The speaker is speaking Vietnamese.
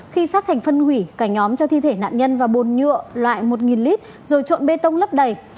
khi sát thành phân hủy cả nhóm cho thi thể nạn nhân và bồn nhựa loại một lít rồi trộn bê tông lấp đầy